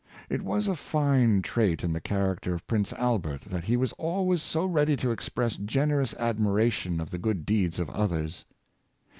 It was a fine trait in the character of Prince Albert that he was always so ready to express generous admi ration of the good deeds of others.